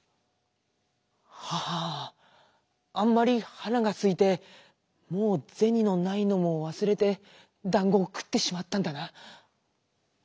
「ははああんまりはらがすいてもうぜにのないのもわすれてだんごをくってしまったんだな。